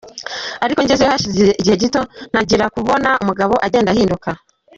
Ariko ngezeyo hashize igihe gito ntangira kubona umugabo agenda ahinduka.